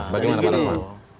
bagaimana pak rasman